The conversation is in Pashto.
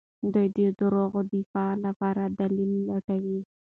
دوی د دروغو د دفاع لپاره دلايل لټوي.